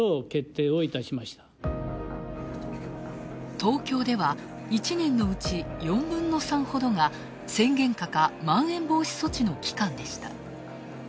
東京では１年のうち４分の３ほどが宣言下か、まん延防止措置の期間でした。